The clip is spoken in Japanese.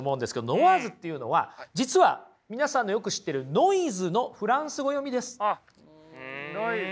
ノワーズっていうのは実は皆さんのよく知ってる「ノイズ」のフランス語読みです。